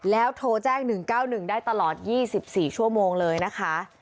แล้วโทรแจ้ง๑๙๑ได้ตลอด๒๔ชั่วโมงเลยนะคะ